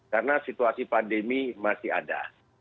karena situasi pandemi masih ada